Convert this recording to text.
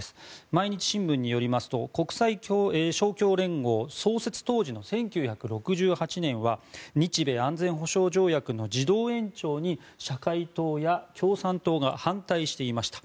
毎日新聞によりますと国際勝共連合創設当時の１９６８年は日米安全保障条約の自動延長に社会党や共産党が反対していました。